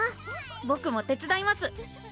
ボクも手伝います